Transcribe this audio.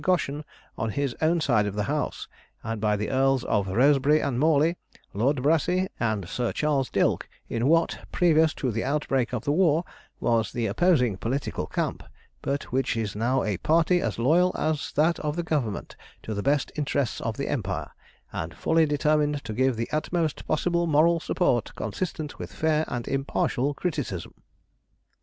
Goschen on his own side of the House, and by the Earls of Rosebery and Morley, Lord Brassey, and Sir Charles Dilke in what, previous to the outbreak of the war, was the opposing political camp, but which is now a party as loyal as that of the Government to the best interests of the Empire, and fully determined to give the utmost possible moral support consistent with fair and impartial criticism.